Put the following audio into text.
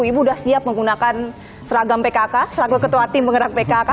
ibu udah siap menggunakan seragam pkk seragam ketua tim menggerak pkk